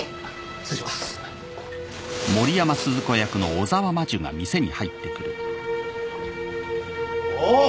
失礼しますあっ！